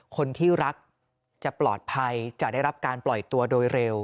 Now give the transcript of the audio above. คนที่รักจะปลอดภัยจะได้รับการปล่อยตัวโดยเร็ว